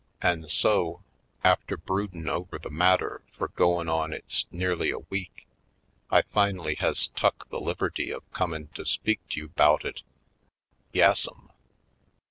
An' so, after broodin' over the matter fur goin' on it's nearly a week, I finally has tuck the liberty of comin' to speak to you 'bout it. Yassum!"